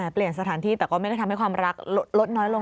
เปลี่ยนสถานที่แต่ก็ไม่ได้ทำให้ความรักลดน้อยลง